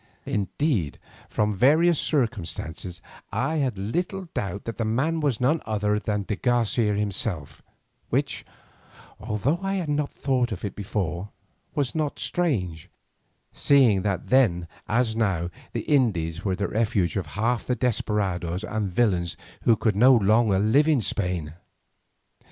Indeed from various circumstances I had little doubt that the man was none other than de Garcia himself, which, although I had not thought of it before, was not strange, seeing that then as now the Indies were the refuge of half the desperadoes and villains who could no longer live in Spain.